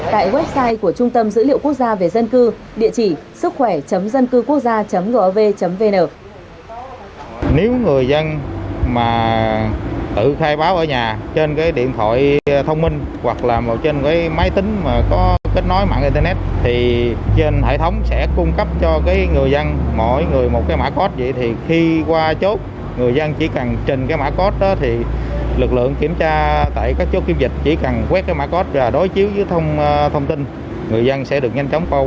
tại website của trung tâm dữ liệu quốc gia về dân cư địa chỉ sứckhoẻ dâncưquốcgia gov vn